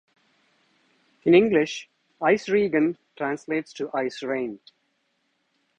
In English, Eisregen translates to "Ice Rain".